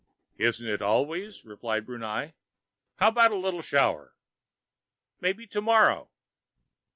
"Isn't it always?" replied Brunei. "How about a little shower?" "Maybe tomorrow."